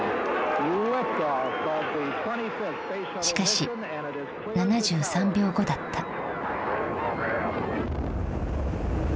しかし７３秒後だった。